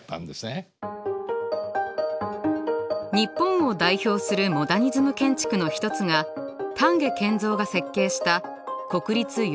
日本を代表するモダニズム建築の一つが丹下健三が設計した国立代々木競技場です。